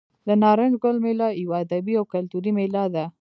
د نارنج ګل میله یوه ادبي او کلتوري میله ده.